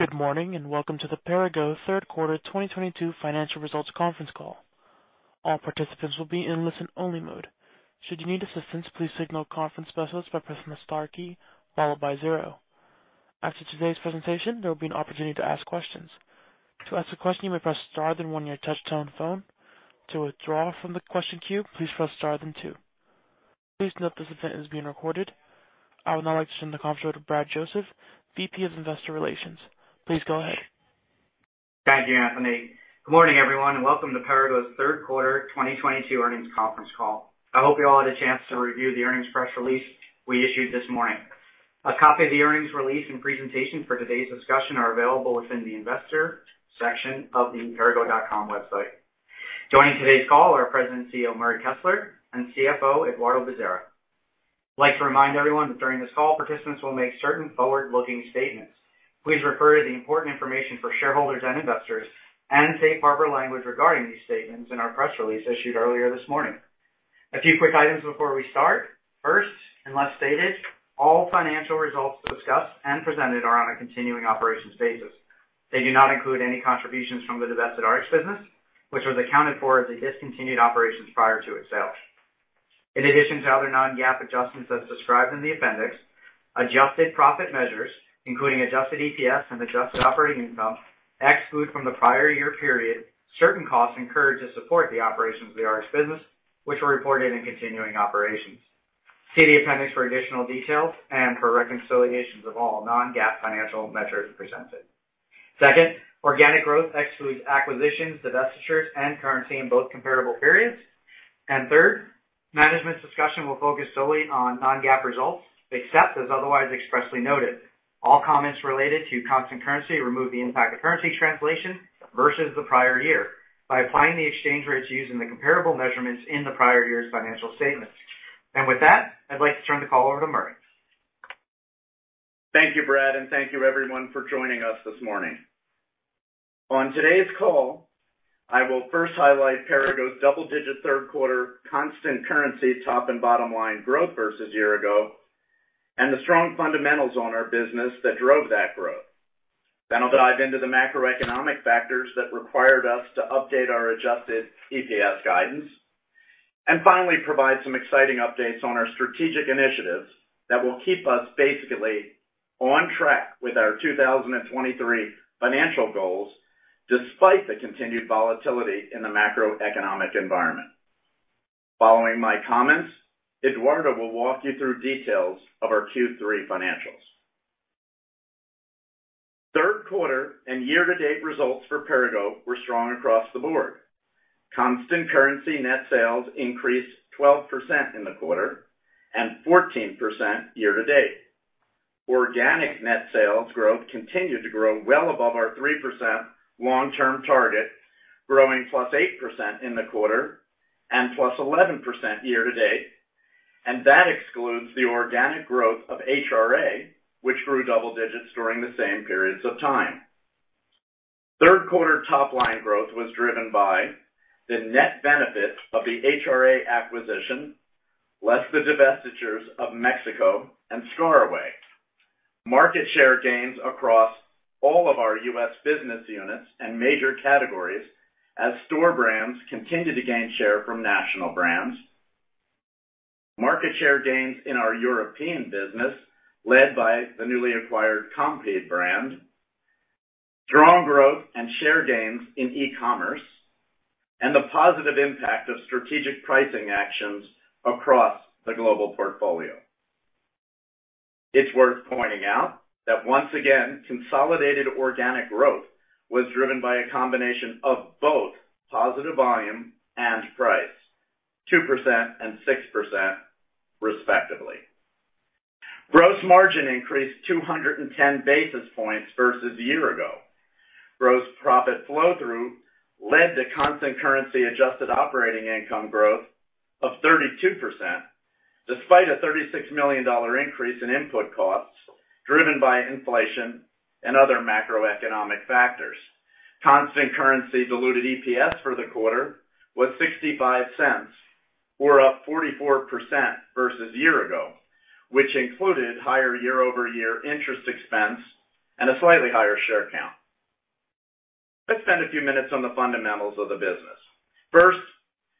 Good morning, and welcome to the Perrigo third quarter 2022 financial results conference call. All participants will be in listen-only mode. Should you need assistance, please signal a conference specialist by pressing the star key followed by 0. After today's presentation, there will be an opportunity to ask questions. To ask a question, you may press star then 1 on your touchtone phone. To withdraw from the question queue, please press star then 2. Please note this event is being recorded. I would now like to turn the conference over to Brad Joseph, VP of Investor Relations. Please go ahead. Thank you, Anthony. Good morning, everyone, and welcome to Perrigo's third quarter 2022 earnings conference call. I hope you all had a chance to review the earnings press release we issued this morning. A copy of the earnings release and presentation for today's discussion are available within the investor section of the perrigo.com website. Joining today's call are President and CEO, Murray Kessler, and CFO, Eduardo Bezerra. I'd like to remind everyone that during this call, participants will make certain forward-looking statements. Please refer to the important information for shareholders and investors and safe harbor language regarding these statements in our press release issued earlier this morning. A few quick items before we start. First, unless stated, all financial results discussed and presented are on a continuing operations basis. They do not include any contributions from the divested RX business, which was accounted for as a discontinued operations prior to its sale. In addition to other non-GAAP adjustments as described in the appendix, adjusted profit measures, including adjusted EPS and adjusted operating income, exclude from the prior year period, certain costs incurred to support the operations of the RX business, which were reported in continuing operations. See the appendix for additional details and for reconciliations of all non-GAAP financial measures presented. Second, organic growth excludes acquisitions, divestitures, and currency in both comparable periods. Third, management's discussion will focus solely on non-GAAP results, except as otherwise expressly noted. All comments related to constant currency remove the impact of currency translation versus the prior year by applying the exchange rates used in the comparable measurements in the prior year's financial statements. With that, I'd like to turn the call over to Murray. Thank you, Brad, and thank you everyone for joining us this morning. On today's call, I will first highlight Perrigo's double-digit third quarter constant currency top and bottom line growth versus year ago, and the strong fundamentals on our business that drove that growth. I'll dive into the macroeconomic factors that required us to update our adjusted EPS guidance, and finally provide some exciting updates on our strategic initiatives that will keep us basically on track with our 2023 financial goals, despite the continued volatility in the macroeconomic environment. Following my comments, Eduardo will walk you through details of our Q3 financials. Third quarter and year-to-date results for Perrigo were strong across the board. Constant currency net sales increased 12% in the quarter and 14% year-to-date. Organic net sales growth continued to grow well above our 3% long-term target, growing +8% in the quarter and +11% year-to-date, and that excludes the organic growth of HRA, which grew double digits during the same periods of time. Third quarter top line growth was driven by the net benefit of the HRA acquisition, less the divestitures of Mexico and Quifa. Market share gains across all of our U.S. business units and major categories as store brands continued to gain share from national brands. Market share gains in our European business, led by the newly acquired Compeed brand, strong growth and share gains in e-commerce, and the positive impact of strategic pricing actions across the global portfolio. It's worth pointing out that once again, consolidated organic growth was driven by a combination of both positive volume and price, 2% and 6%, respectively. Gross margin increased 210 basis points versus a year ago. Gross profit flow-through led to constant currency adjusted operating income growth of 32%, despite a $36 million increase in input costs driven by inflation and other macroeconomic factors. Constant currency diluted EPS for the quarter was $0.65 or up 44% versus year ago, which included higher year-over-year interest expense and a slightly higher share count. Let's spend a few minutes on the fundamentals of the business. First,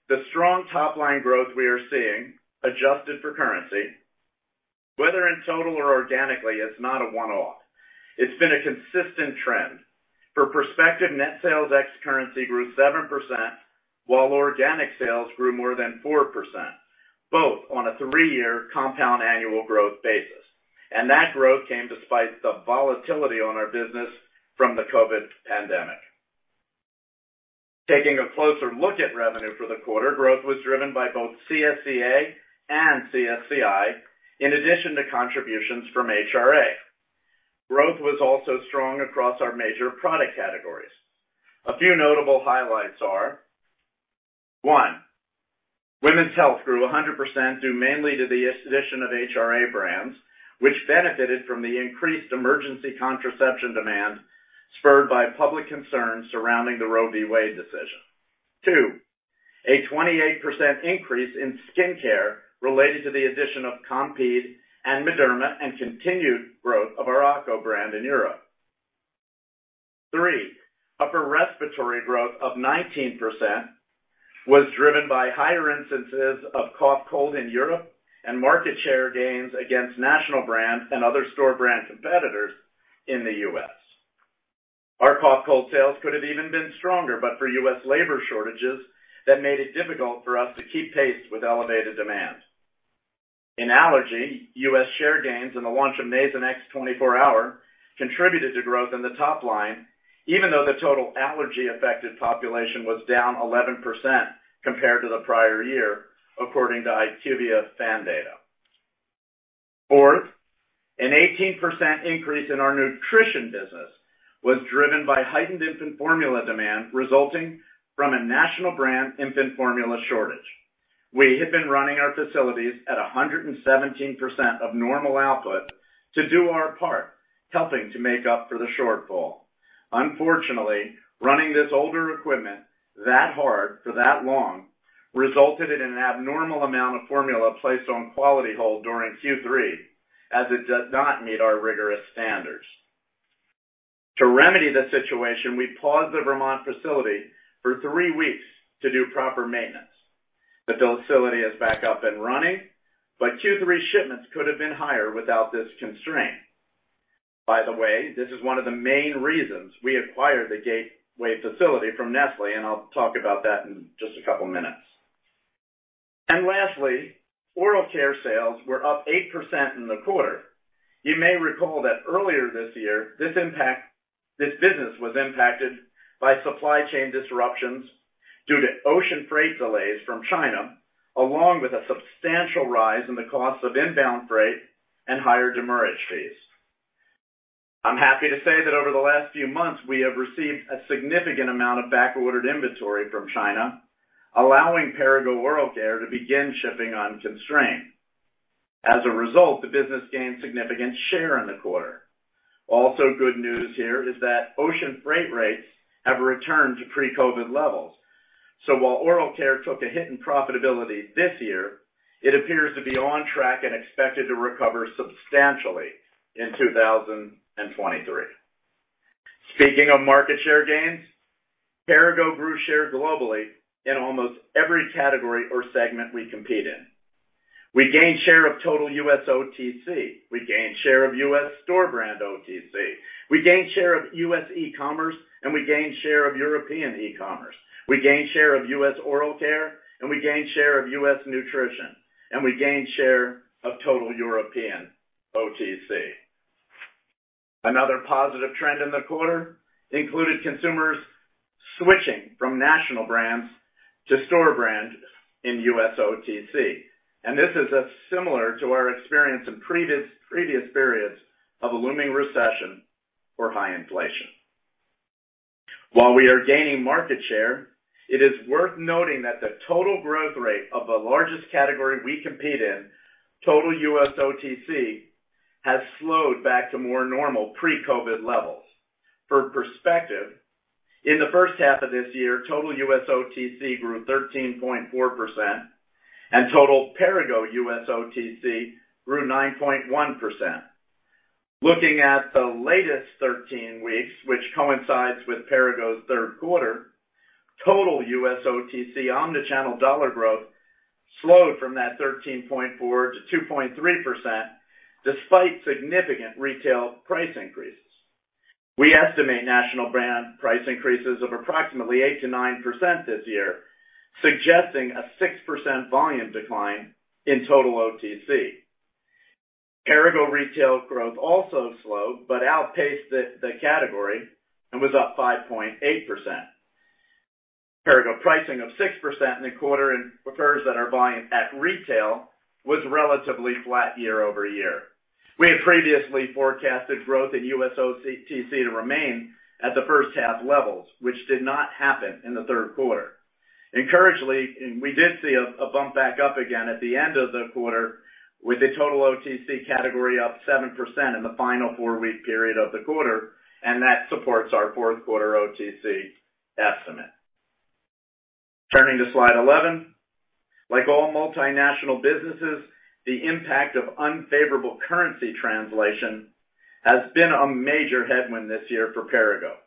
the strong top-line growth we are seeing, adjusted for currency, whether in total or organically, it's not a one-off. It's been a consistent trend. For perspective, net sales ex currency grew 7%, while organic sales grew more than 4%, both on a 3-year compound annual growth basis. That growth came despite the volatility on our business from the COVID pandemic. Taking a closer look at revenue for the quarter, growth was driven by both CSCA and CSCI, in addition to contributions from HRA. Growth was also strong across our major product categories. A few notable highlights are, one, women's health grew 100% due mainly to the addition of HRA brands, which benefited from the increased emergency contraception demand spurred by public concern surrounding the Roe v. Wade decision. Two, a 28% increase in skincare related to the addition of Compeed and Mederma and continued growth of our ACO brand in Europe. Three, upper respiratory growth of 19% was driven by higher instances of cough cold in Europe and market share gains against national brands and other store brand competitors in the U.S. Our cough cold sales could have even been stronger, but for U.S. labor shortages that made it difficult for us to keep pace with elevated demand. In allergy, US share gains and the launch of Nasonex 24-hour contributed to growth in the top line, even though the total allergy-affected population was down 11% compared to the prior year, according to IQVIA SCAN data. Fourth, an 18% increase in our nutrition business was driven by heightened infant formula demand resulting from a national brand infant formula shortage. We have been running our facilities at 117% of normal output to do our part, helping to make up for the shortfall. Unfortunately, running this older equipment that hard for that long resulted in an abnormal amount of formula placed on quality hold during Q3 as it does not meet our rigorous standards. To remedy the situation, we paused the Vermont facility for three weeks to do proper maintenance. The facility is back up and running, but Q3 shipments could have been higher without this constraint. By the way, this is one of the main reasons we acquired the Gateway facility from Nestlé, and I'll talk about that in just a couple of minutes. Lastly, oral care sales were up 8% in the quarter. You may recall that earlier this year, this business was impacted by supply chain disruptions due to ocean freight delays from China, along with a substantial rise in the cost of inbound freight and higher demurrage fees. I'm happy to say that over the last few months, we have received a significant amount of back-ordered inventory from China, allowing Perrigo Oral Care to begin shipping unconstrained. As a result, the business gained significant share in the quarter. Also good news here is that ocean freight rates have returned to pre-COVID levels. While oral care took a hit in profitability this year, it appears to be on track and expected to recover substantially in 2023. Speaking of market share gains, Perrigo grew share globally in almost every category or segment we compete in. We gained share of total U.S. OTC, we gained share of U.S. store brand OTC, we gained share of U.S. e-commerce, and we gained share of European e-commerce. We gained share of U.S. oral care, and we gained share of U.S. nutrition, and we gained share of total European OTC. Another positive trend in the quarter included consumers switching from national brands to store brands in U.S. OTC. This is similar to our experience in previous periods of a looming recession or high inflation. While we are gaining market share, it is worth noting that the total growth rate of the largest category we compete in, total U.S. OTC, has slowed back to more normal pre-COVID levels. For perspective, in the first half of this year, total U.S. OTC grew 13.4%, and total Perrigo U.S. OTC grew 9.1%. Looking at the latest 13 weeks, which coincides with Perrigo's third quarter, total U.S. OTC omni-channel dollar growth slowed from that 13.4 to 2.3% despite significant retail price increases. We estimate national brand price increases of approximately 8%-9% this year, suggesting a 6% volume decline in total OTC. Perrigo retail growth also slowed but outpaced the category and was up 5.8%. Perrigo's pricing up 6% in the quarter, and however, our volume at retail was relatively flat year-over-year. We had previously forecasted growth in U.S. OTC to remain at the first half levels, which did not happen in the third quarter. Encouragingly, we did see a bump back up again at the end of the quarter with the total OTC category up 7% in the final four-week period of the quarter, and that supports our fourth quarter OTC estimate. Turning to slide 11. Like all multinational businesses, the impact of unfavorable currency translation has been a major headwind this year for Perrigo.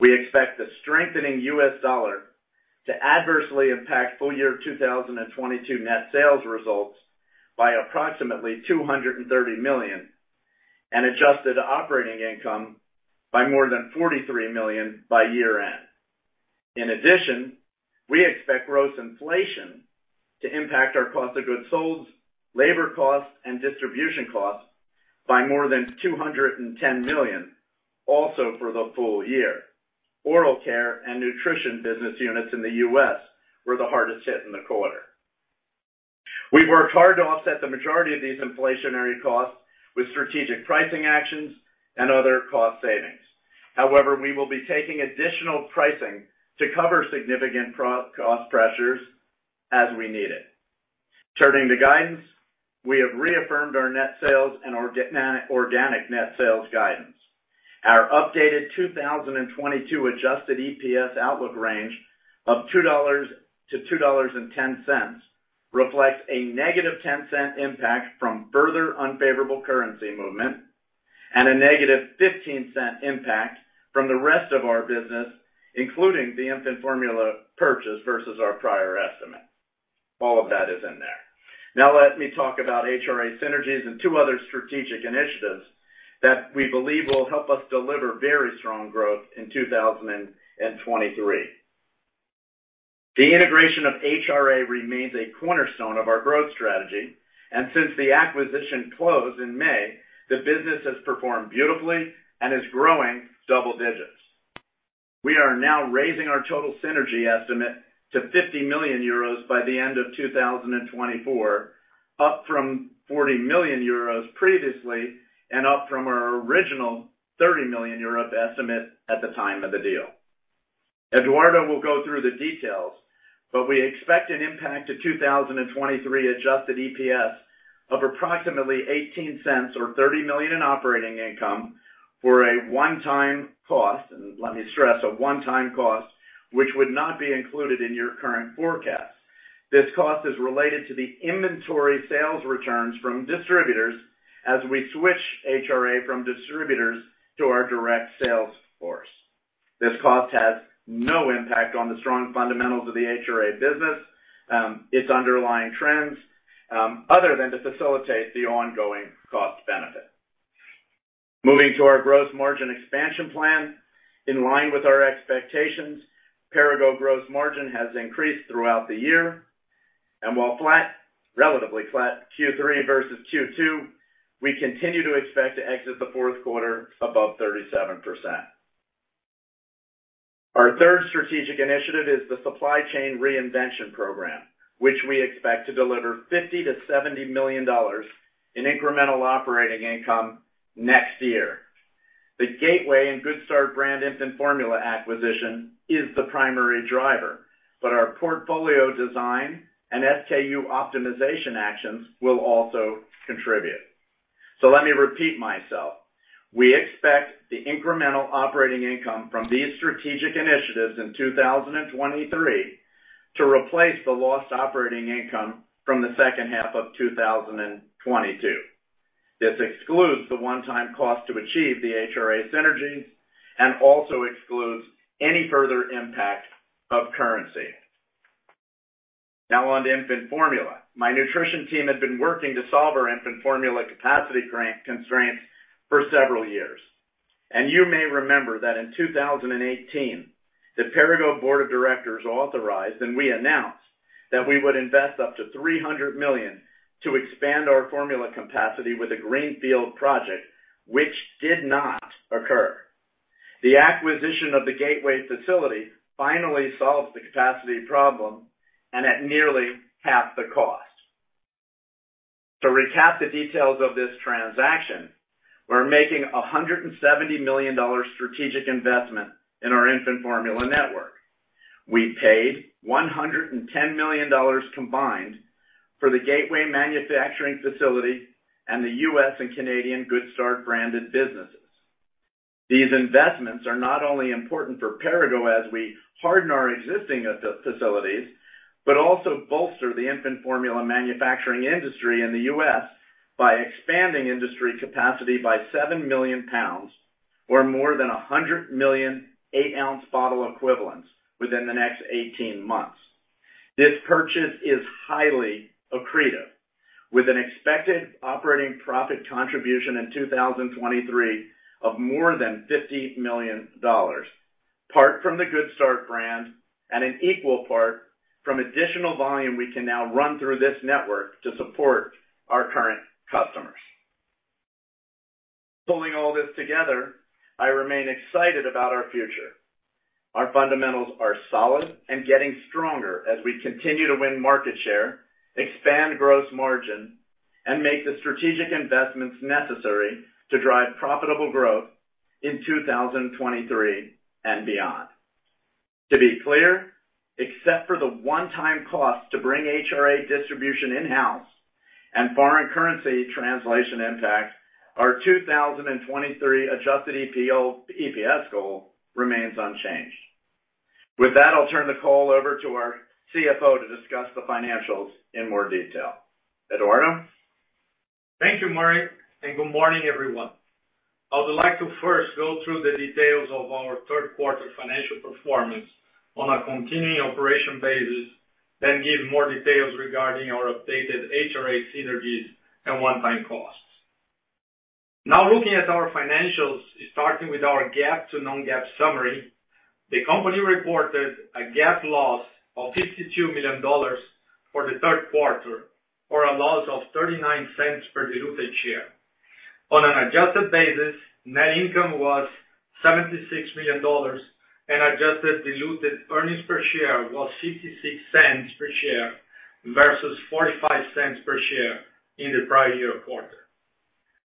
We expect the strengthening U.S. dollar to adversely impact full-year 2022 net sales results by approximately $230 million, and adjusted operating income by more than $43 million by year-end. In addition, we expect gross inflation to impact our cost of goods sold, labor costs, and distribution costs by more than $210 million, also for the full year. Oral care and nutrition business units in the U.S. were the hardest hit in the quarter. We worked hard to offset the majority of these inflationary costs with strategic pricing actions and other cost savings. However, we will be taking additional pricing to cover significant cost pressures as we need it. Turning to guidance, we have reaffirmed our net sales and organic net sales guidance. Our updated 2022 adjusted EPS outlook range of $2-$2.10 reflects a negative 10-cent impact from further unfavorable currency movement and a negative 15-cent impact from the rest of our business, including the infant formula purchase versus our prior estimate. All of that is in there. Now let me talk about HRA synergies and two other strategic initiatives that we believe will help us deliver very strong growth in 2023. The integration of HRA remains a cornerstone of our growth strategy, and since the acquisition closed in May, the business has performed beautifully and is growing double digits. We are now raising our total synergy estimate to 50 million euros by the end of 2024, up from 40 million euros previously and up from our original 30 million euro estimate at the time of the deal. Eduardo will go through the details, but we expect an impact to 2023 adjusted EPS of approximately $0.18 or $30 million in operating income for a one-time cost, and let me stress, a one-time cost, which would not be included in your current forecast. This cost is related to the inventory sales returns from distributors as we switch HRA from distributors to our direct sales force. This cost has no impact on the strong fundamentals of the HRA business, its underlying trends, other than to facilitate the ongoing cost benefit. Moving to our gross margin expansion plan. In line with our expectations, Perrigo's gross margin has increased throughout the year. While flat, relatively flat Q3 versus Q2, we continue to expect to exit the fourth quarter above 37%. Our third strategic initiative is the supply chain reinvention program, which we expect to deliver $50-$70 million in incremental operating income next year. The Gateway and Good Start brand infant formula acquisition is the primary driver, but our portfolio design and SKU optimization actions will also contribute. Let me repeat myself. We expect the incremental operating income from these strategic initiatives in 2023 to replace the lost operating income from the second half of 2022. This excludes the one-time cost to achieve the HRA synergies and also excludes any further impact of currency. Now on to infant formula. My nutrition team has been working to solve our infant formula capacity constraints for several years. You may remember that in 2018, the Perrigo board of directors authorized, and we announced, that we would invest up to $300 million to expand our formula capacity with a greenfield project which did not occur. The acquisition of the Gateway facility finally solves the capacity problem and at nearly half the cost. To recap the details of this transaction, we're making a $170 million strategic investment in our infant formula network. We paid $110 million combined for the Gateway manufacturing facility and the U.S. and Canadian Good Start branded businesses. These investments are not only important for Perrigo as we harden our existing facilities, but also bolster the infant formula manufacturing industry in the U.S. by expanding industry capacity by 7 million pounds or more than 100 million 8-ounce bottle equivalents within the next 18 months. This purchase is highly accretive, with an expected operating profit contribution in 2023 of more than $50 million, part from the Good Start brand and an equal part from additional volume we can now run through this network to support our current customers. Pulling all this together, I remain excited about our future. Our fundamentals are solid and getting stronger as we continue to win market share, expand gross margin, and make the strategic investments necessary to drive profitable growth in 2023 and beyond. To be clear, except for the one-time cost to bring HRA distribution in-house and foreign currency translation impact, our 2023 adjusted EPS goal remains unchanged. With that, I'll turn the call over to our CFO to discuss the financials in more detail. Eduardo? Thank you, Murray, and good morning, everyone. I would like to first go through the details of our third quarter financial performance on a continuing operations basis, then give more details regarding our updated HRA synergies and one-time costs. Now, looking at our financials, starting with our GAAP to non-GAAP summary, the company reported a GAAP loss of $52 million for the third quarter or a loss of $0.39 per diluted share. On an adjusted basis, net income was $76 million and adjusted diluted earnings per share was $0.66 per share versus $0.45 per share in the prior year quarter.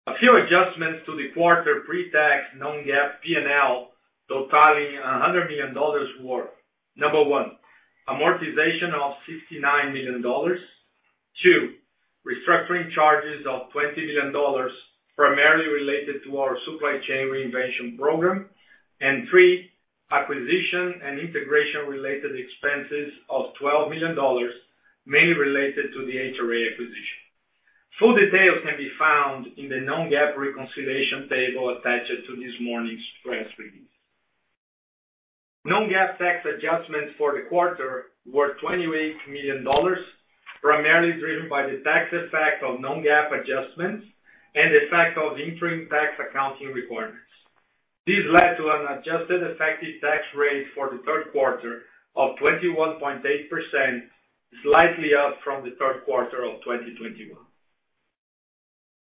A few adjustments to the quarter pre-tax non-GAAP PNL totaling $100 million were number one, amortization of $69 million. Two, restructuring charges of $20 million, primarily related to our supply chain reinvention program. Three, acquisition and integration related expenses of $12 million, mainly related to the HRA acquisition. Full details can be found in the non-GAAP reconciliation table attached to this morning's press release. Non-GAAP tax adjustments for the quarter were $28 million, primarily driven by the tax effect of non-GAAP adjustments and the effect of the interim tax accounting requirements. This led to an adjusted effective tax rate for the third quarter of 21.8%, slightly up from the third quarter of 2021.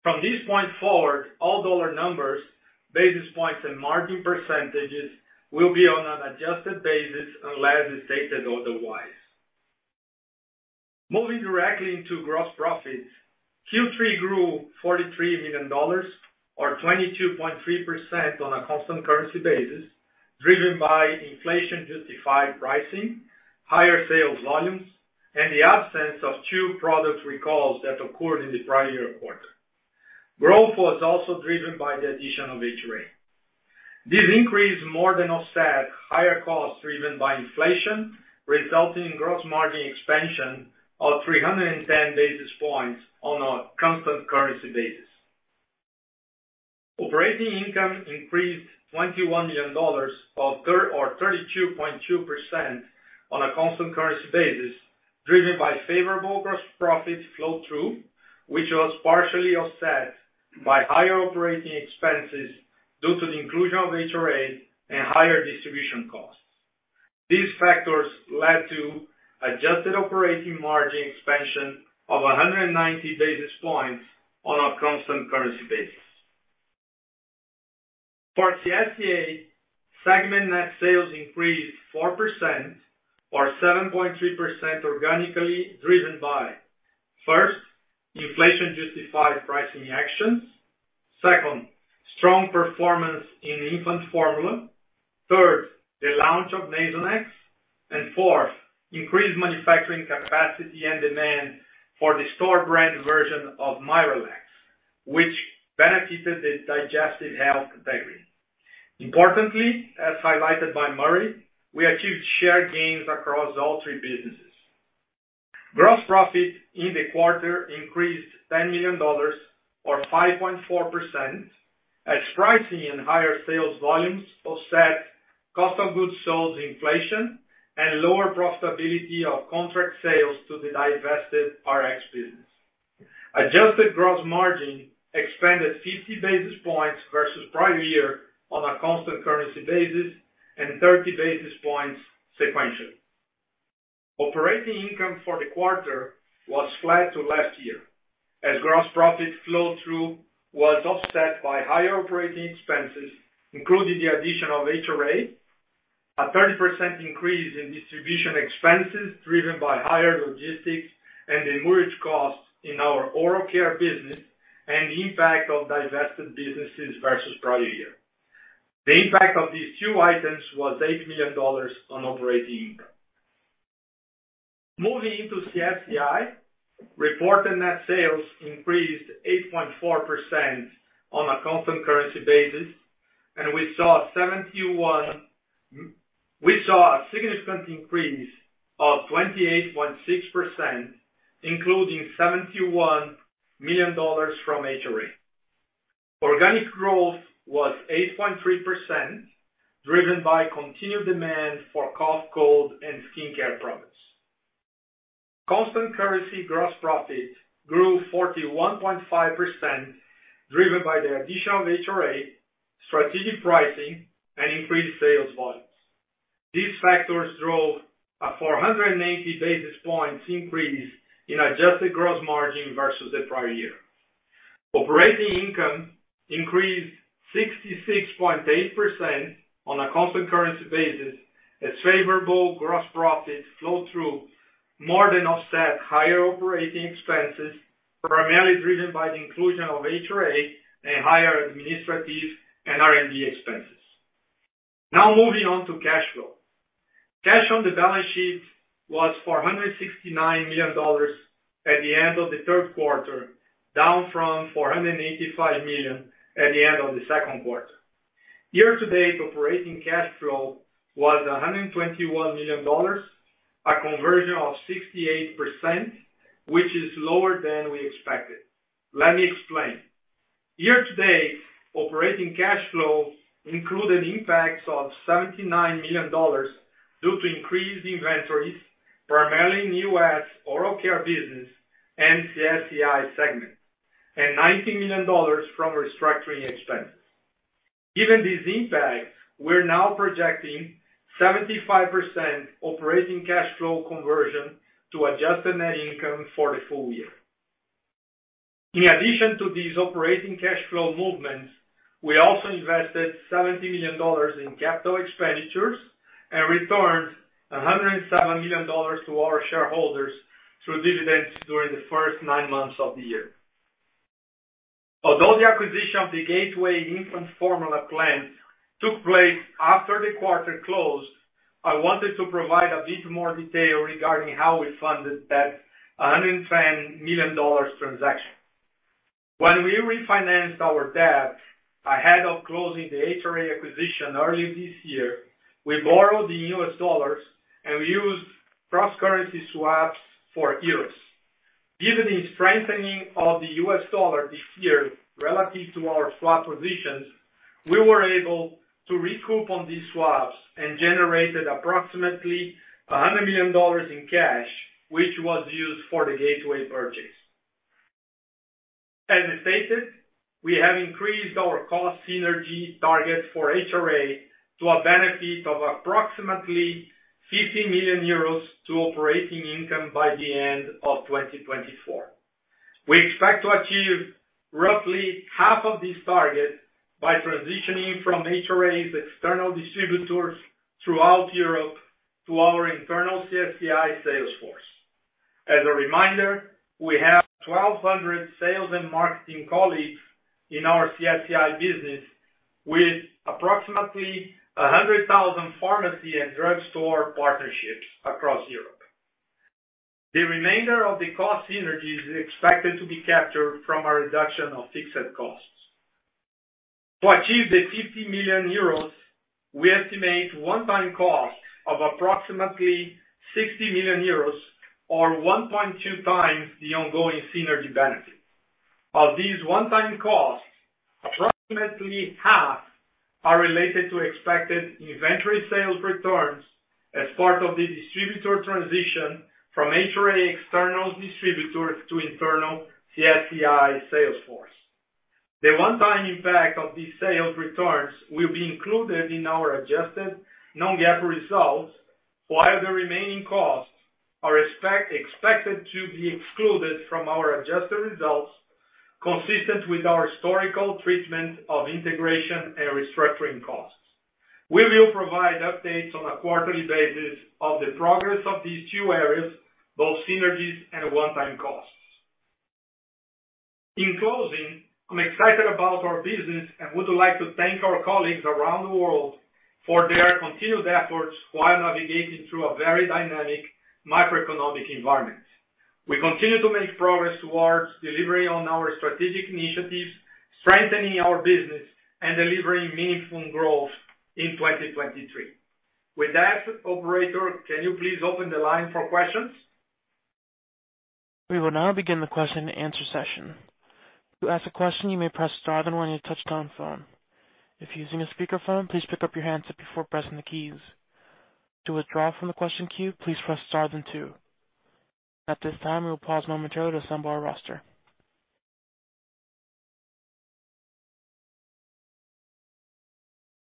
From this point forward, all dollar numbers, basis points, and margin percentages will be on an adjusted basis unless stated otherwise. Moving directly into gross profits, Q3 grew $43 million, or 22.3% on a constant currency basis, driven by inflation-justified pricing, higher sales volumes, and the absence of 2 product recalls that occurred in the prior year quarter. Growth was also driven by the addition of HRA. This increase more than offset higher costs driven by inflation, resulting in gross margin expansion of 310 basis points on a constant currency basis. Operating income increased $21 million or 32.2% on a constant currency basis, driven by favorable gross profit flow-through, which was partially offset by higher operating expenses due to the inclusion of HRA and higher distribution costs. These factors led to adjusted operating margin expansion of 190 basis points on a constant currency basis. For the CSCA, segment net sales increased 4% or 7.3% organically, driven by, first, inflation-justified pricing actions, second, strong performance in infant formula, third, the launch of Nasonex, and fourth, increased manufacturing capacity and demand for the store brand version of MiraLAX, which benefited the digestive health category. Importantly, as highlighted by Murray, we achieved share gains across all three businesses. Gross profit in the quarter increased $10 million or 5.4% as pricing and higher sales volumes offset cost of goods sold inflation and lower profitability of contract sales to the divested RX business. Adjusted gross margin expanded 50 basis points versus prior year on a constant currency basis and 30 basis points sequentially. Operating income for the quarter was flat to last year as gross profit flow-through was offset by higher operating expenses, including the addition of HRA, a 30% increase in distribution expenses driven by higher logistics and the demurrage costs in our oral care business and the impact of divested businesses versus prior year. The impact of these two items was $8 million on operating income. Moving into CSCI, reported net sales increased 8.4% on a constant currency basis, and we saw a significant increase of 28.6%, including $71 million from HRA. Organic growth was 8.3%, driven by continued demand for cough, cold, and skincare products. Constant currency gross profit grew 41.5%, driven by the addition of HRA, strategic pricing, and increased sales volumes. These factors drove a 480 basis points increase in adjusted gross margin versus the prior year. Operating income increased 66.8% on a constant currency basis as favorable gross profit flow-through more than offset higher operating expenses, primarily driven by the inclusion of HRA and higher administrative and R&D expenses. Now, moving on to cash flow. Cash on the balance sheet was $469 million at the end of the third quarter, down from $485 million at the end of the second quarter. Year-to-date operating cash flow was $121 million, a conversion of 68%, which is lower than we expected. Let me explain. Year-to-date operating cash flow included impacts of $79 million due to increased inventories, primarily in U.S. oral care business and CSCI segment, and $19 million from restructuring expenses. Given these impacts, we're now projecting 75% operating cash flow conversion to adjusted net income for the full year. In addition to these operating cash flow movements, we also invested $70 million in capital expenditures and returned $107 million to our shareholders through dividends during the first nine months of the year. Although the acquisition of the Gateway infant formula plant took place after the quarter closed, I wanted to provide a bit more detail regarding how we funded that $110 million transaction. When we refinanced our debt ahead of closing the HRA acquisition early this year, we borrowed the US dollars and we used cross-currency swaps for euros. Given the strengthening of the US dollar this year relative to our swap positions, we were able to recoup on these swaps and generated approximately $100 million in cash, which was used for the Gateway purchase. As stated, we have increased our cost synergy target for HRA to a benefit of approximately 50 million euros to operating income by the end of 2024. We expect to achieve roughly half of this target by transitioning from HRA's external distributors throughout Europe to our internal CSCI sales force. As a reminder, we have 1,200 sales and marketing colleagues in our CSCI business with approximately 100,000 pharmacy and drugstore partnerships across Europe. The remainder of the cost synergies is expected to be captured from a reduction of fixed costs. To achieve the 50 million euros, we estimate one-time cost of approximately 60 million euros or 1.2 times the ongoing synergy benefit. Of these one-time costs, approximately half are related to expected inventory sales returns as part of the distributor transition from HRA external distributors to internal CSCI sales force. The one-time impact of these sales returns will be included in our adjusted non-GAAP results, while the remaining costs are expected to be excluded from our adjusted results, consistent with our historical treatment of integration and restructuring costs. We will provide updates on a quarterly basis of the progress of these two areas, both synergies and one-time costs. In closing, I'm excited about our business and would like to thank our colleagues around the world for their continued efforts while navigating through a very dynamic macroeconomic environment. We continue to make progress towards delivering on our strategic initiatives, strengthening our business, and delivering meaningful growth in 2023. With that, operator, can you please open the line for questions? We will now begin the question and answer session. To ask a question, you may press star then one on your touchtone phone. If you're using a speaker phone, please pick up your handset before pressing the keys. To withdraw from the question queue, please press star then two. At this time, we will pause momentarily to assemble our roster.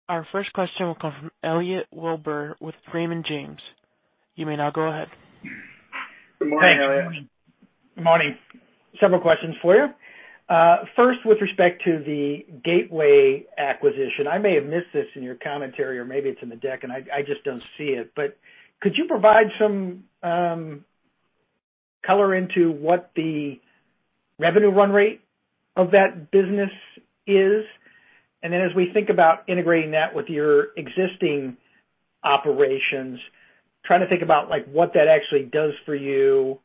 Our first question will come from Elliot Wilbur with Raymond James. You may now go ahead. Good morning, Elliot. Thanks. Good morning. Several questions for you. First, with respect to the Gateway acquisition, I may have missed this in your commentary, or maybe it's in the deck and I just don't see it, but could you provide some color on what the revenue run rate of that business is? Then as we think about integrating that with your existing operations, trying to think about, like, what that actually does for you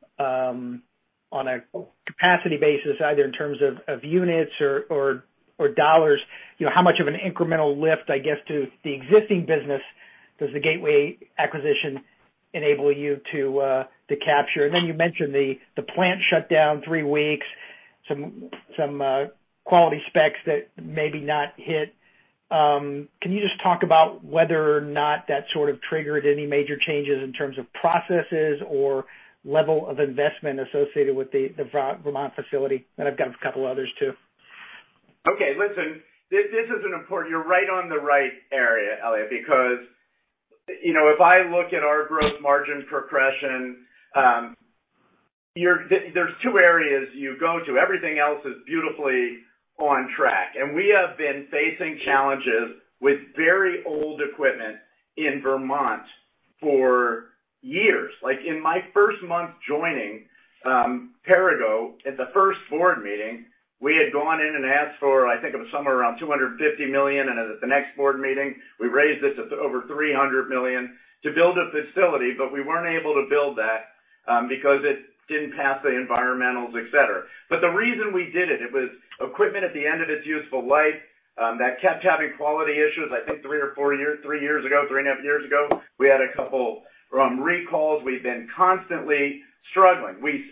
on a capacity basis, either in terms of units or dollars, you know, how much of an incremental lift, I guess, to the existing business does the Gateway acquisition enable you to capture? Then you mentioned the plant shut down three weeks, some quality specs that maybe not hit. Can you just talk about whether or not that sort of triggered any major changes in terms of processes or level of investment associated with the Vermont facility? I've got a couple others too. Listen, this is an important. You're right on the right area, Elliot, because you know, if I look at our growth margin progression, there's two areas you go to. Everything else is beautifully on track. We have been facing challenges with very old equipment in Vermont for years. Like, in my first month joining Perrigo at the first board meeting, we had gone in and asked for, I think it was somewhere around $250 million, and at the next board meeting, we raised it to over $300 million to build a facility, but we weren't able to build that, because it didn't pass the environmental, et cetera. The reason we did it was equipment at the end of its useful life, that kept having quality issues. I think three years ago, three and a half years ago, we had a couple recalls. We've been constantly struggling. We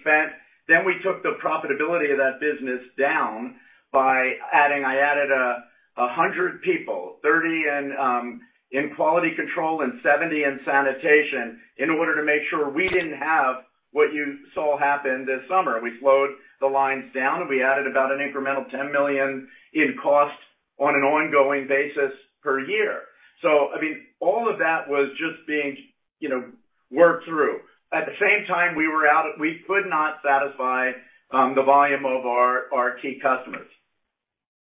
took the profitability of that business down. I added 100 people, 30 in quality control and 70 in sanitation in order to make sure we didn't have what you saw happen this summer. We slowed the lines down, and we added about an incremental $10 million in cost on an ongoing basis per year. I mean, all of that was just being worked through. At the same time, we could not satisfy the volume of our key customers.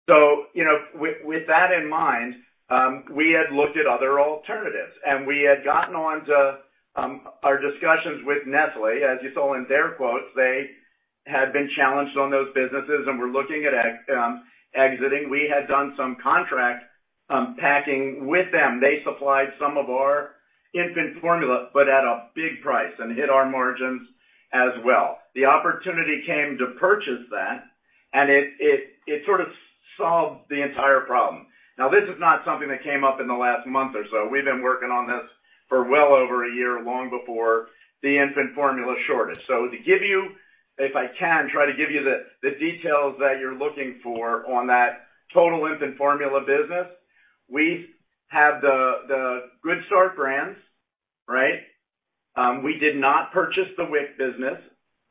You know, with that in mind, we had looked at other alternatives and we had gotten on to our discussions with Nestlé. As you saw in their quotes, they had been challenged on those businesses and were looking at exiting. We had done some contract packing with them. They supplied some of our infant formula, but at a big price and hit our margins as well. The opportunity came to purchase that, and it sort of solved the entire problem. Now, this is not something that came up in the last month or so. We've been working on this for well over a year, long before the infant formula shortage. To give you, if I can, try to give you the details that you're looking for on that total infant formula business. We have the Good Start brands, right? We did not purchase the WIC business.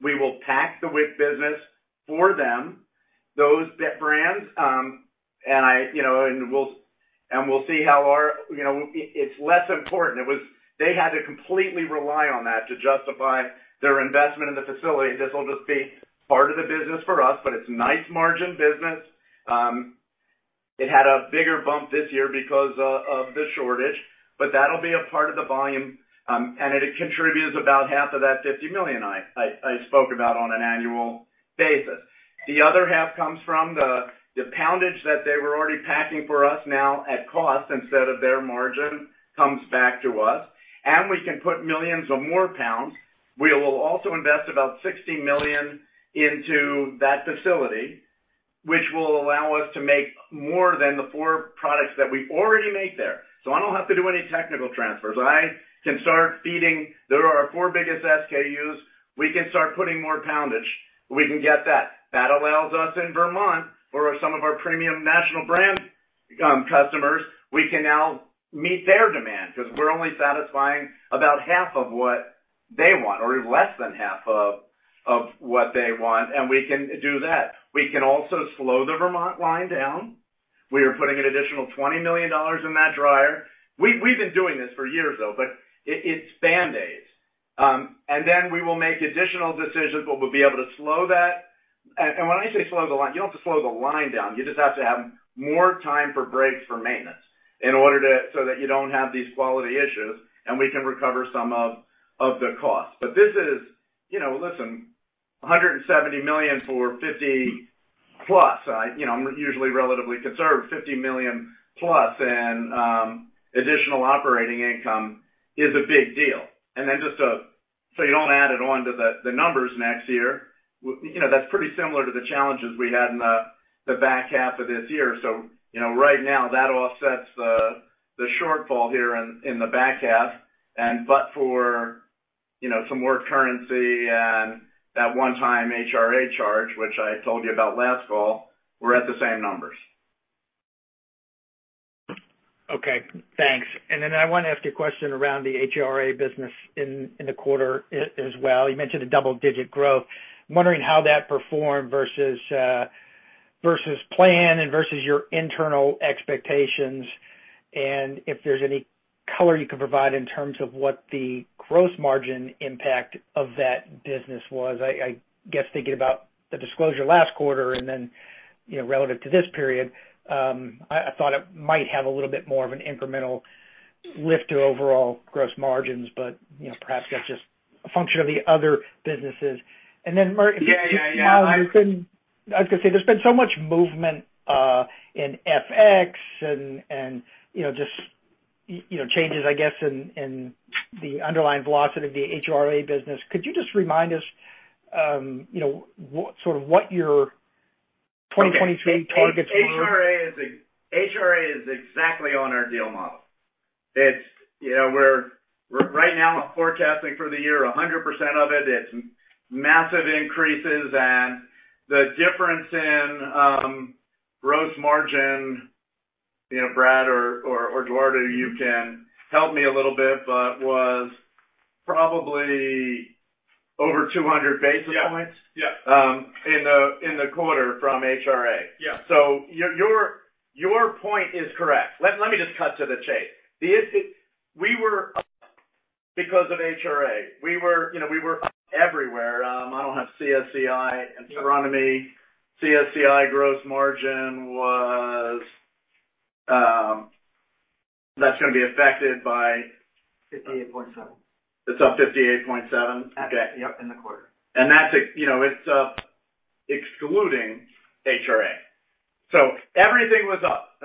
We will pack the WIC business for them, those brands. We'll see how our. It's less important. They had to completely rely on that to justify their investment in the facility. This will just be part of the business for us, but it's nice margin business. It had a bigger bump this year because of the shortage, but that'll be a part of the volume, and it contributes about half of that $50 million I spoke about on an annual basis. The other half comes from the poundage that they were already packing for us now at cost instead of their margin comes back to us, and we can put millions of more pounds. We will also invest about $60 million into that facility, which will allow us to make more than the four products that we already make there. I don't have to do any technical transfers. I can start. There are our four biggest SKUs. We can start putting more poundage. We can get that. That allows us in Vermont for some of our premium national brand customers, we can now meet their demand because we're only satisfying about half of what they want or less than half of what they want. We can do that. We can also slow the Vermont line down. We are putting an additional $20 million in that dryer. We've been doing this for years though, but it's Band-Aids. We will make additional decisions, but we'll be able to slow that. When I say slow the line, you don't have to slow the line down. You just have to have more time for breaks for maintenance so that you don't have these quality issues, and we can recover some of the cost. This is, you know, listen, $170 million for 50+. I, you know, I'm usually relatively conserved. $50 million+ additional operating income is a big deal. Then just so you don't add it on to the numbers next year, you know, that's pretty similar to the challenges we had in the back half of this year. You know, right now that offsets the shortfall here in the back half. But for, you know, some more currency and that one-time HRA charge, which I told you about last fall, we're at the same numbers. Okay, thanks. Then I want to ask you a question around the HRA business in the quarter as well. You mentioned a double-digit growth. I'm wondering how that performed versus plan and versus your internal expectations and if there's any color you could provide in terms of what the gross margin impact of that business was. I guess thinking about the disclosure last quarter and then relative to this period, I thought it might have a little bit more of an incremental lift to overall gross margins, but perhaps that's just a function of the other businesses. Then, Mark- Yeah, yeah. There's been so much movement in FX and you know just you know changes I guess in the underlying velocity of the HRA business. Could you just remind us or sort of what your 2023 targets were? HRA is exactly on our deal model. It's we're right now forecasting for the year 100% of it. It's massive increases. The difference in gross margin, Brad or Eduardo, you can help me a little bit, but was probably over 200 basis points. Yeah. Yeah. In the quarter from HRA. Yeah. Your point is correct. Let me just cut to the chase. We were up because of HRA. You know, we were up everywhere. I don't have CSCI and CSCA. CSCI gross margin was, that's gonna be affected by. 58.7. It's up 58.7. Okay. Yep, in the quarter. That's, you know, it's up excluding HRA. Everything was up.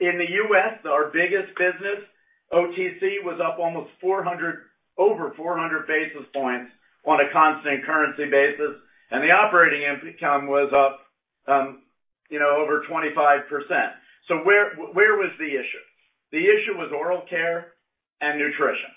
In the U.S., our biggest business, OTC, was up almost 400, over 400 basis points on a constant currency basis. The operating income was up, you know, over 25%. Where was the issue? The issue was oral care and nutrition.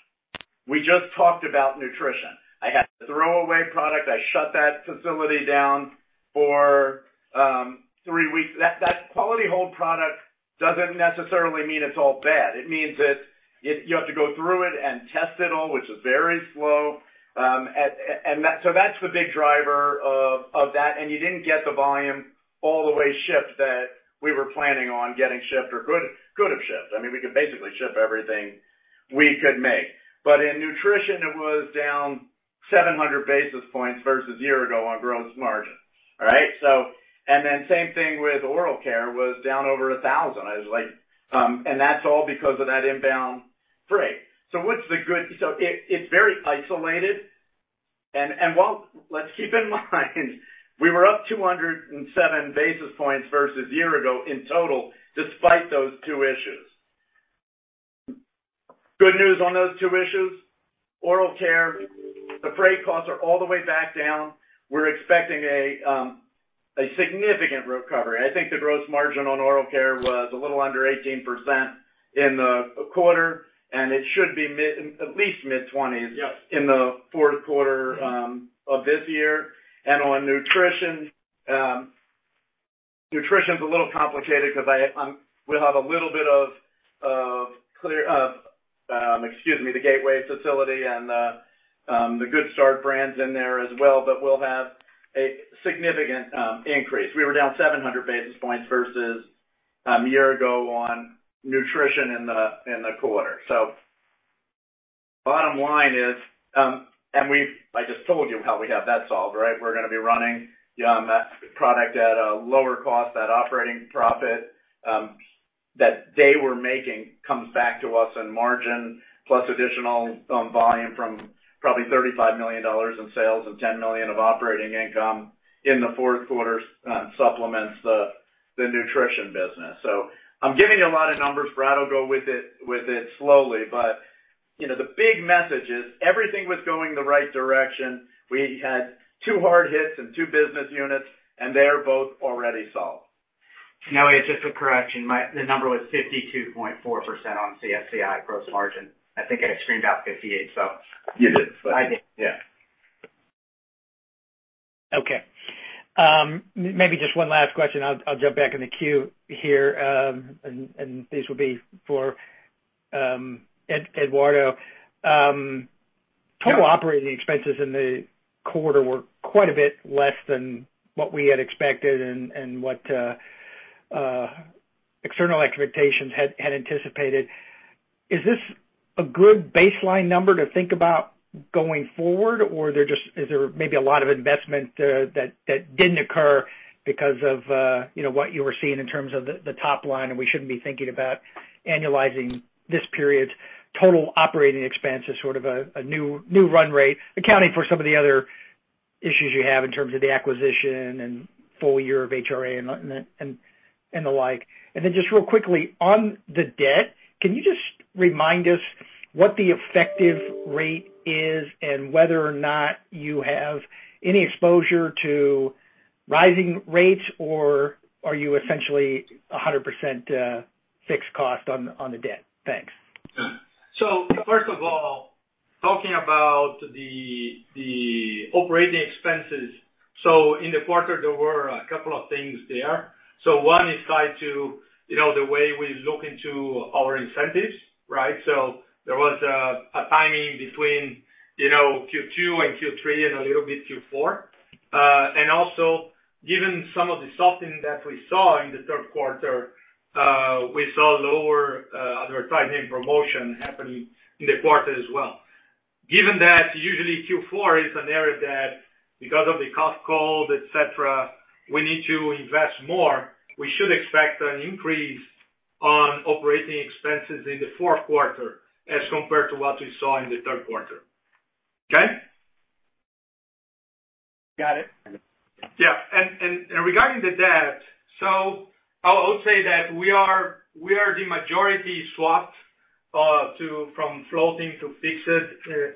We just talked about nutrition. I had throwaway product. I shut that facility down for 3 weeks. That quality hold product doesn't necessarily mean it's all bad. It means that you have to go through it and test it all, which is very slow. And that's the big driver of that. You didn't get the volume all the way shipped that we were planning on getting shipped or could have shipped. I mean, we could basically ship everything we could make. In nutrition, it was down 700 basis points versus year-ago on gross margin, all right? Same thing with oral care, was down over 1,000. That's all because of that inbound freight. It's very isolated. Let's keep in mind we were up 207 basis points versus year-ago in total despite those two issues. Good news on those two issues, oral care, the freight costs are all the way back down. We're expecting a significant recovery. I think the gross margin on oral care was a little under 18% in the quarter, and it should be at least mid-20s%. Yes. in the fourth quarter of this year. On nutrition is a little complicated because we'll have a little bit of Gateway facility and the Good Start brands in there as well. We'll have a significant increase. We were down 700 basis points versus year ago on nutrition in the quarter. Bottom line is, I just told you how we have that solved, right? We're gonna be running that product at a lower cost, that operating profit that they were making comes back to us in margin, plus additional volume from probably $35 million in sales and $10 million of operating income in the fourth quarter supplements the nutrition business. I'm giving you a lot of numbers, Brad, I'll go with it slowly. You know, the big message is everything was going the right direction. We had two hard hits and two business units, and they are both already solved. No, it's just a correction. My, the number was 52.4% on CSCI gross margin. I think I screamed out 58, so. You did. I did. Yeah. Okay. Maybe just one last question. I'll jump back in the queue here, and this will be for Eduardo. Total operating expenses in the quarter were quite a bit less than what we had expected and what external expectations had anticipated. Is this a good baseline number to think about going forward? Or is there just maybe a lot of investment that didn't occur because of, you know, what you were seeing in terms of the top line, and we shouldn't be thinking about annualizing this period's total operating expense as sort of a new run rate, accounting for some of the other issues you have in terms of the acquisition and full year of HRA and the like. Just real quickly on the debt, can you just remind us what the effective rate is and whether or not you have any exposure to rising rates, or are you essentially 100% fixed-rate on the debt? Thanks. First of all, talking about the operating expenses. In the quarter, there were a couple of things there. One is tied to, you know, the way we look into our incentives, right? There was a timing between, you know, Q2 and Q3 and a little bit Q4. And also, given some of the softening that we saw in the third quarter, we saw lower advertising promotion happening in the quarter as well. Given that usually Q4 is an area that because of the cough cold, et cetera, we need to invest more. We should expect an increase on operating expenses in the fourth quarter as compared to what we saw in the third quarter. Okay? Got it. Regarding the debt, I'll say that we are the majority swapped from floating to fixed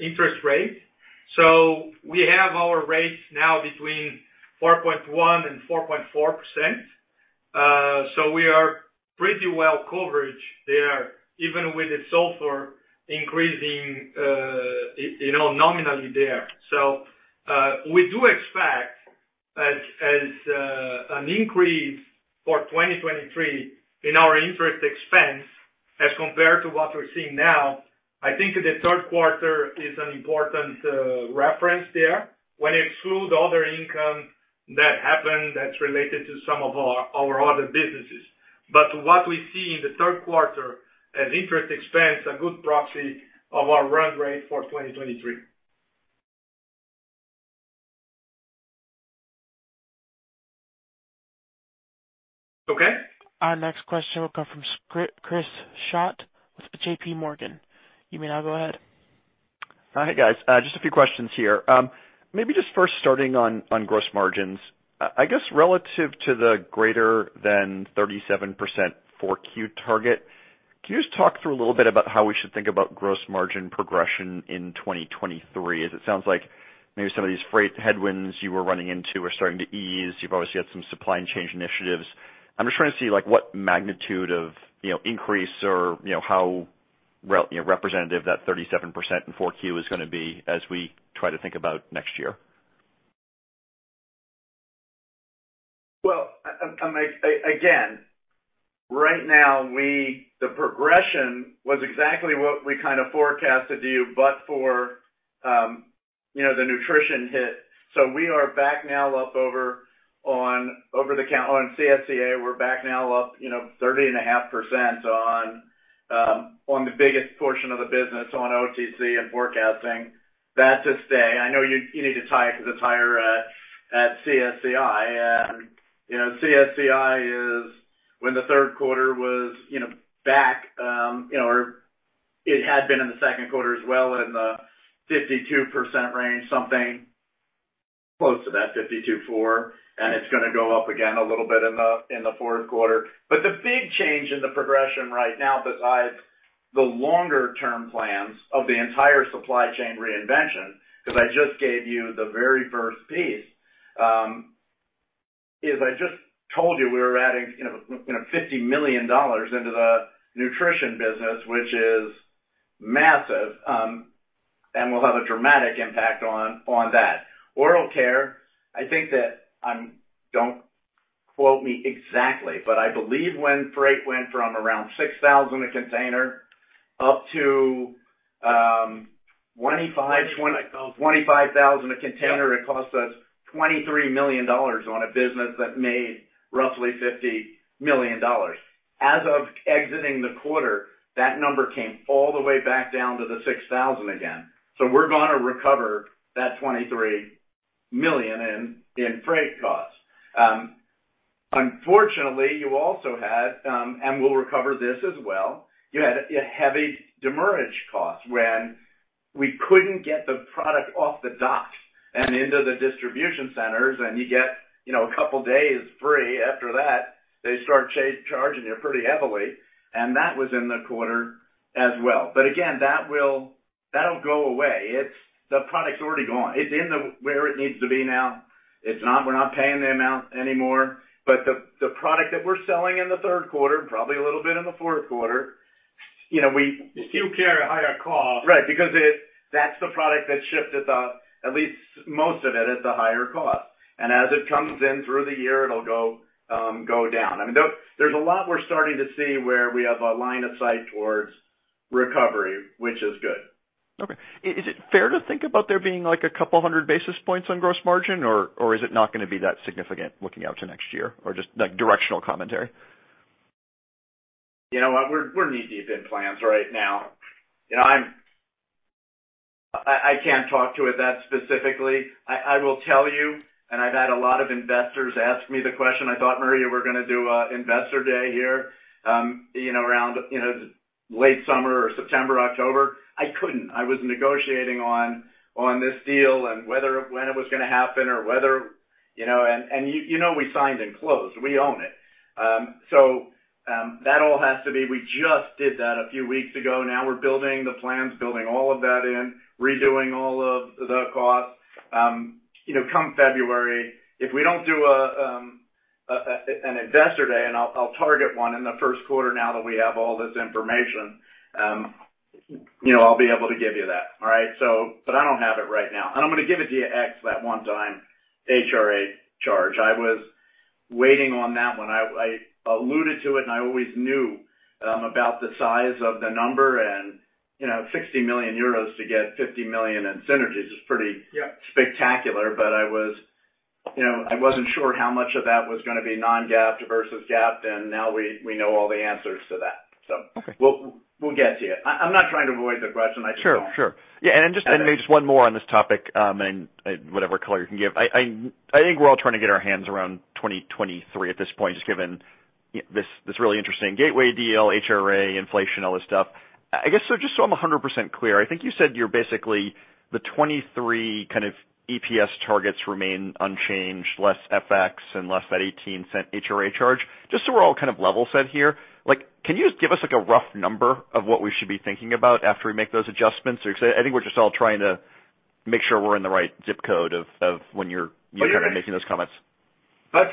interest rate. We have our rates now between 4.1% and 4.4%. We are pretty well covered there, even with the SOFR increasing, you know, nominally there. We do expect an increase for 2023 in our interest expense as compared to what we're seeing now. I think the third quarter is an important reference there when you exclude other income that happened that's related to some of our other businesses. What we see in the third quarter as interest expense, a good proxy of our run rate for 2023. Okay? Our next question will come from Chris Schott with J.P. Morgan. You may now go ahead. Hi, guys. Just a few questions here. Maybe just first starting on gross margins. I guess relative to the greater than 37% 4Q target, can you just talk through a little bit about how we should think about gross margin progression in 2023? As it sounds like maybe some of these freight headwinds you were running into are starting to ease. You've obviously had some supply chain initiatives. I'm just trying to see, like, what magnitude of, you know, increase or, you know, how representative that 37% in 4Q is gonna be as we try to think about next year. Again, right now, the progression was exactly what we kind of forecasted to you, but for, you know, the nutrition hit. We are back now up over the count on CSCA. We're back now up, you know, 30.5% on the biggest portion of the business on OTC and forecasting, that's at stay. I know you need to tie it to the tire at CSCI. You know, CSCI in the third quarter was, you know, back, or it had been in the second quarter as well in the 52% range, something close to that 52.4. It's gonna go up again a little bit in the fourth quarter. The big change in the progression right now, besides the longer-term plans of the entire supply chain reinvention, 'cause I just gave you the very first piece, is I just told you we were adding, you know, $50 million into the nutrition business, which is massive, and will have a dramatic impact on that. Oral care, I think that don't quote me exactly, but I believe when freight went from around 6,000 a container up to 25- 25,000. $25,000 a container- Yeah. It cost us $23 million on a business that made roughly $50 million. As of exiting the quarter, that number came all the way back down to the $6,000 again. We're gonna recover that $23 million in freight costs. Unfortunately, you also had, and we'll recover this as well. You had a heavy demurrage cost when we couldn't get the product off the dock and into the distribution centers, and you get, you know, a couple of days free. After that, they start charging you pretty heavily, and that was in the quarter as well. Again, that'll go away. The product's already gone. It's in where it needs to be now. It's not. We're not paying the amount anymore. The product that we're selling in the third quarter, probably a little bit in the fourth quarter, you know, we You carry a higher cost. Right. Because that's the product that shipped, at least most of it is a higher cost. As it comes in through the year, it'll go down. I mean, there's a lot we're starting to see where we have a line of sight towards recovery, which is good. Okay. Is it fair to think about there being like a couple of hundred basis points on gross margin, or is it not gonna be that significant looking out to next year? Or just like directional commentary. You know what? We're knee-deep in plans right now. You know, I can't talk to it that specifically. I will tell you, and I've had a lot of investors ask me the question. I thought, Murray, we're gonna do an investor day here, you know, around late summer or September, October. I couldn't. I was negotiating on this deal and when it was gonna happen or whether, you know. You know, we signed and closed, we own it. That all has to be. We just did that a few weeks ago. Now we're building the plans, building all of that in, redoing all of the costs. You know, come February, if we don't do an investor day, I'll target one in the first quarter now that we have all this information. You know, I'll be able to give you that. All right? But I don't have it right now. I'm gonna give it to you ex that one-time HRA charge. I was waiting on that one. I alluded to it, and I always knew about the size of the number and, you know, 60 million euros to get 50 million in synergies is pretty. Yeah. Spectacular. I was, you know, I wasn't sure how much of that was gonna be non-GAAP versus GAAP, and now we know all the answers to that. So Okay. We'll get to you. I'm not trying to avoid the question. I just don't- Sure, sure. Yeah. Maybe just one more on this topic, and whatever color you can give. I think we're all trying to get our hands around 2023 at this point, just given this really interesting gateway deal, HRA, inflation, all this stuff. I guess just so I'm 100% clear, I think you said you're basically the 2023 kind of EPS targets remain unchanged, less FX and less that $0.18 HRA charge. Just so we're all kind of level set here, like, can you just give us, like, a rough number of what we should be thinking about after we make those adjustments? I think we're just all trying to make sure we're in the right ZIP code of when you're kind of making those comments. Well,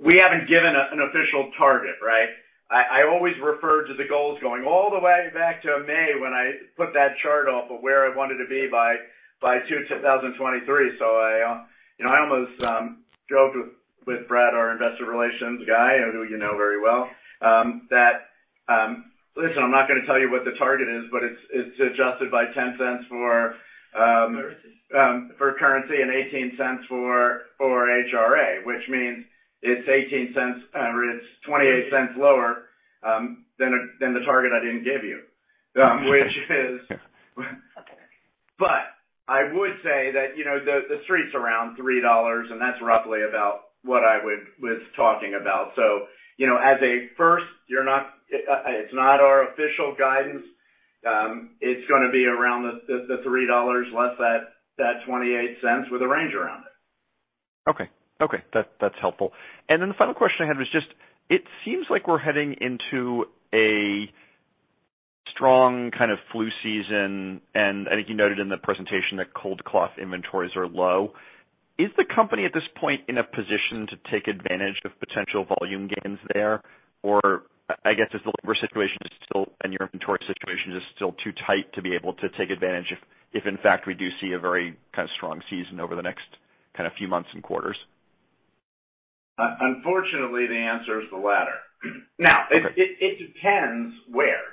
we haven't given an official target, right? I always refer to the goals going all the way back to May when I put that chart up of where I wanted to be by June 2023. You know, I almost joked with Brad, our investor relations guy, who you know very well, that listen, I'm not gonna tell you what the target is, but it's adjusted by $0.10 for. Currency. For currency and $0.18 for HRA, which means it's $0.18, or it's $0.28 lower, than the target I didn't give you. Which is Okay. I would say that, you know, the street's around $3, and that's roughly about what I was talking about. As a first, it's not our official guidance. It's gonna be around the $3 less that $0.28 with a range around it. Okay. That's helpful. The final question I had was just, it seems like we're heading into a strong kind of flu season, and I think you noted in the presentation that cough cold inventories are low. Is the company at this point in a position to take advantage of potential volume gains there? Or I guess, is the labor situation still and your inventory situation just still too tight to be able to take advantage if in fact, we do see a very kind of strong season over the next kind of few months and quarters? Unfortunately, the answer is the latter. Now Okay. It depends where.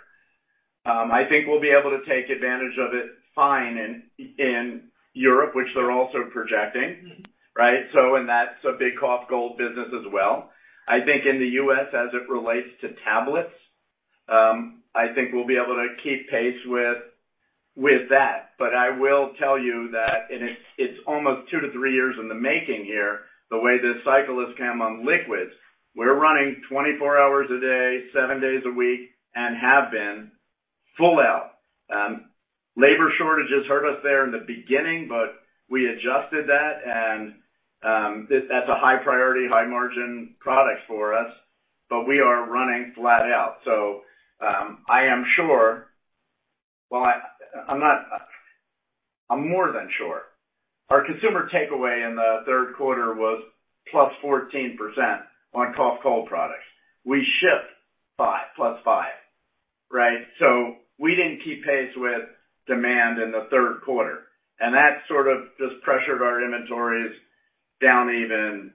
I think we'll be able to take advantage of it fine in Europe, which they're also projecting, right? And that's a big cough cold business as well. I think in the US, as it relates to tablets, I think we'll be able to keep pace with that. But I will tell you that, and it's almost 2-3 years in the making here, the way this cycle has come on liquids, we're running 24 hours a day, 7 days a week, and have been full out. Labor shortages hurt us there in the beginning, but we adjusted that and that's a high priority, high margin product for us. But we are running flat out. I'm more than sure. Our consumer takeaway in the third quarter was +14% on cough cold products. We shipped 5%, +5%, right? We didn't keep pace with demand in the third quarter, and that sort of just pressured our inventories down even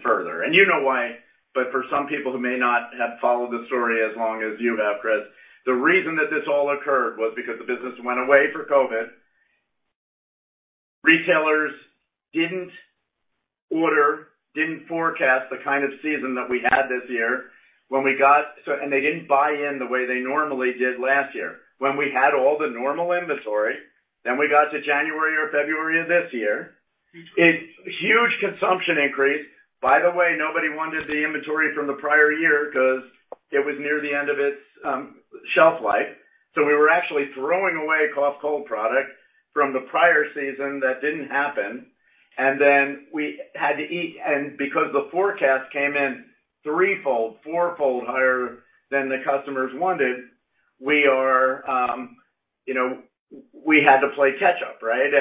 further. You know why, but for some people who may not have followed the story as long as you have, Chris, the reason that this all occurred was because the business went away for COVID. Retailers didn't order, didn't forecast the kind of season that we had this year. They didn't buy in the way they normally did last year. When we had all the normal inventory, then we got to January or February of this year. Huge consumption. Huge consumption increase. By the way, nobody wanted the inventory from the prior year 'cause it was near the end of its shelf life. We were actually throwing away cough cold product from the prior season that didn't happen. We had to eat. Because the forecast came in threefold, four-fold higher than the customers wanted, we had to play catch up, right?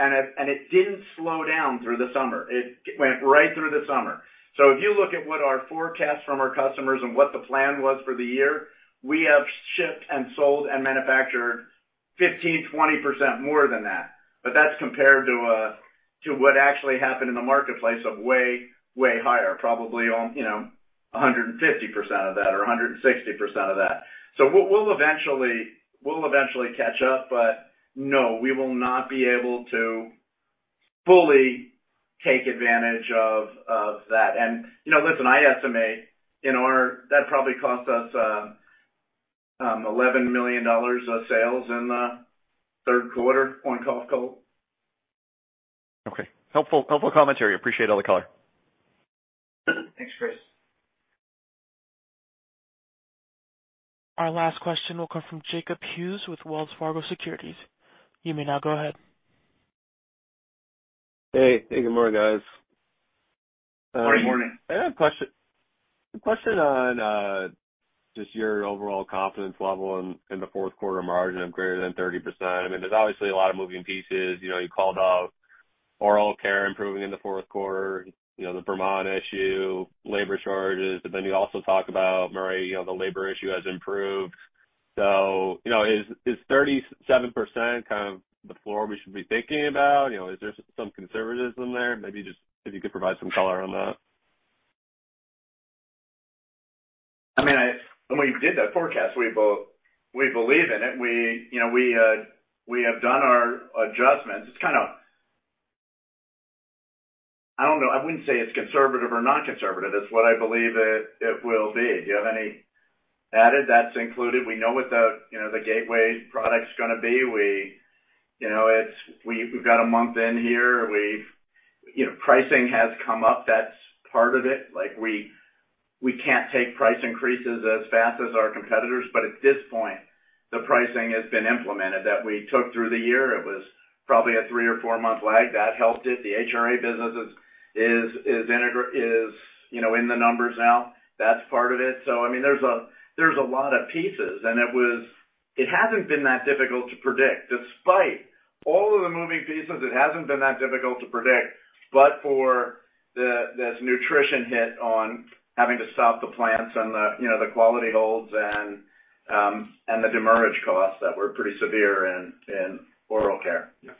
It didn't slow down through the summer. It went right through the summer. If you look at what our forecast from our customers and what the plan was for the year, we have shipped and sold and manufactured 15%-20% more than that. That's compared to what actually happened in the marketplace of way higher, probably on, you know, 150% of that or 160% of that. We'll eventually catch up, but no, we will not be able to fully take advantage of that. You know, listen, I estimate that probably cost us $11 million of sales in the third quarter on cough cold. Okay. Helpful, helpful commentary. Appreciate all the color. Thanks, Chris. Our last question will come from Jacob Hughes with Wells Fargo Securities. You may now go ahead. Hey. Hey, good morning, guys. Good morning. I have a question on just your overall confidence level in the fourth quarter margin of greater than 30%. I mean, there's obviously a lot of moving pieces. You know, you called out oral care improving in the fourth quarter, you know, the Vermont issue, labor charges. You also talk about, Murray, you know, the labor issue has improved. You know, is 37% kind of the floor we should be thinking about? You know, is there some conservatism there? Maybe just if you could provide some color on that. I mean, when we did that forecast, we believe in it. We, you know, have done our adjustments. It's kinda. I don't know. I wouldn't say it's conservative or non-conservative. It's what I believe it will be. Do you have any added, that's included. We know what the, you know, the Gateway product's gonna be. We, you know, we've got a month in here. We've, you know, pricing has come up. That's part of it. Like, we can't take price increases as fast as our competitors, but at this point, the pricing has been implemented that we took through the year. It was probably a 3- or 4-month lag. That helped it. The HRA business is, you know, in the numbers now. That's part of it. I mean, there's a lot of pieces. It hasn't been that difficult to predict. Despite all of the moving pieces, it hasn't been that difficult to predict. For this nutrition hit on having to stop the plants and, you know, the quality holds and the demurrage costs that were pretty severe in oral care. Yeah.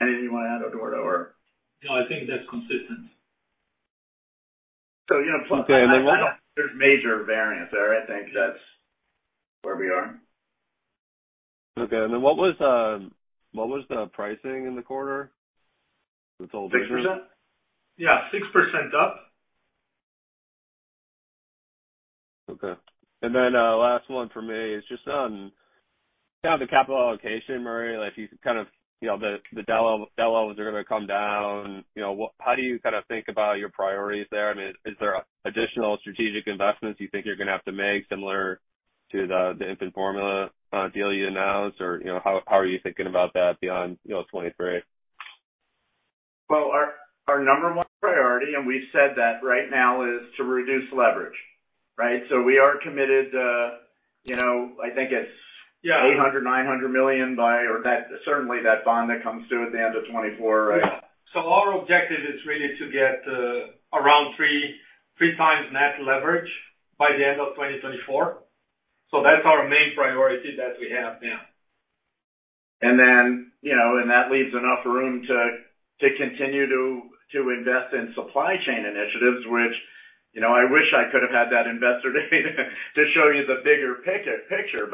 Anything you want to add, Eduardo, or? No, I think that's consistent. You know. Okay. What? I don't think there's major variance there. I think that's where we are. Okay. What was the pricing in the quarter? 6%. Yeah, 6% up. Okay. Last one for me is just on, kind of, the capital allocation, Murray. Like, if you kind of you know, the deleveraging ones are gonna come down. You know, how do you kind of think about your priorities there? I mean, is there additional strategic investments you think you're gonna have to make similar to the infant formula deal you announced? Or, you know, how are you thinking about that beyond, you know, 2023? Well, our number one priority, and we've said that right now, is to reduce leverage, right? We are committed to, you know, I think it's Yeah. $800 million-$900 million, certainly that bond that comes due at the end of 2024, right? Yeah. Our objective is really to get around three times net leverage by the end of 2024. That's our main priority that we have now. You know, and that leaves enough room to continue to invest in supply chain initiatives, which, you know, I wish I could have had that investor day to show you the bigger picture.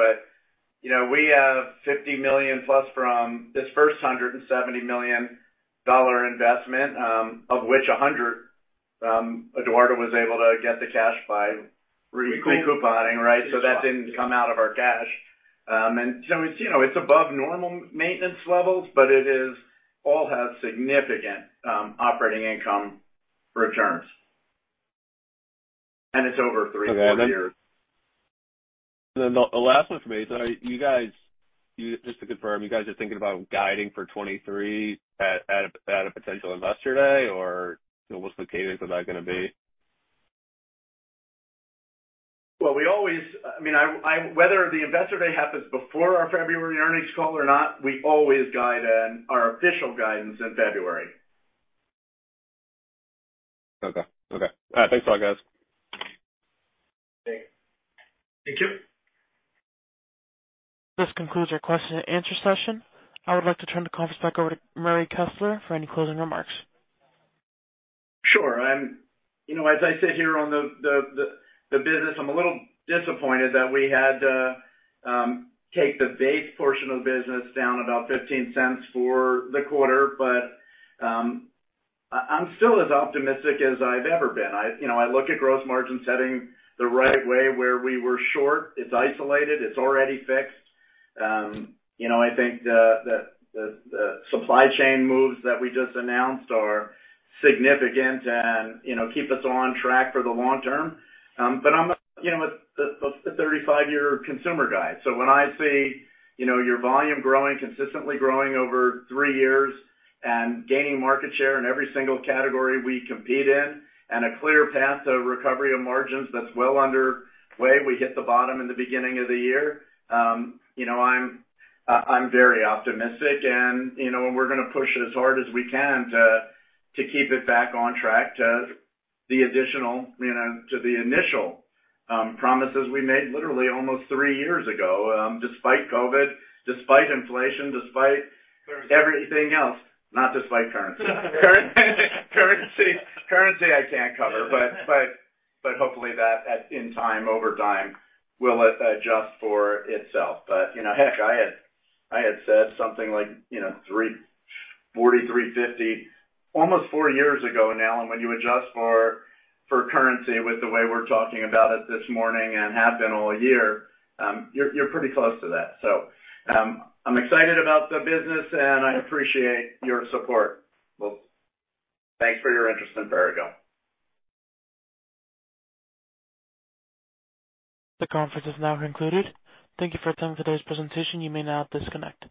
You know, we have $50 million plus from this first $170 million investment, of which $100 million Eduardo was able to get the cash by re-couponing, right? That didn't come out of our cash. You know, it's above normal maintenance levels, but they all have significant operating income returns. It's over 3-4 years. Okay. The last one for me is, are you guys just to confirm, you guys are thinking about guiding for 2023 at a potential investor day or, you know, what's the cadence of that gonna be? I mean, whether the investor day happens before our February earnings call or not, we always guide in our official guidance in February. Okay. All right. Thanks a lot, guys. Thank you. This concludes our question and answer session. I would like to turn the conference back over to Murray Kessler for any closing remarks. Sure. I'm, you know, as I sit here on the business, I'm a little disappointed that we had to take the base portion of the business down about $0.15 for the quarter. I'm still as optimistic as I've ever been. I, you know, look at gross margin setting the right way where we were short, it's isolated, it's already fixed. You know, I think the supply chain moves that we just announced are significant and, you know, keep us on track for the long term. I'm, you know, a 35-year consumer guy. When I see, you know, your volume growing, consistently growing over 3 years and gaining market share in every single category we compete in, and a clear path to recovery of margins that's well underway. We hit the bottom in the beginning of the year. You know, I'm very optimistic, and you know, we're going to push it as hard as we can to keep it back on track to the additional, you know, to the initial promises we made literally almost three years ago, despite COVID, despite inflation, despite everything else. Not despite currency. Currency I can't cover. But hopefully that, at any time, over time will adjust for itself. But you know, heck, I had said something like, you know, $3.40, $3.50 almost four years ago now. When you adjust for currency with the way we're talking about it this morning and have been all year, you're pretty close to that. I'm excited about the business, and I appreciate your support. Well, thanks for your interest in Perrigo. The conference is now concluded. Thank you for attending today's presentation. You may now disconnect.